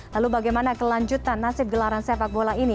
lalu bagaimana kelanjutan nasib gelaran sepak bola ini